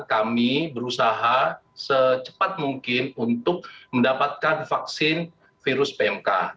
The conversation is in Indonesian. kami berusaha secepat mungkin untuk mendapatkan vaksin virus pmk